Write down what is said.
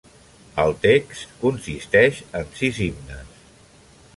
El text consisteix en sis himnes.